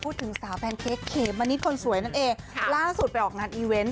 ถูกต้องค่า